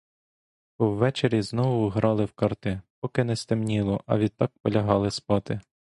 По вечері знову грали в карти, поки не стемніло, а відтак полягали спати.